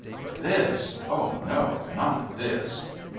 But this! Oh, no! not this!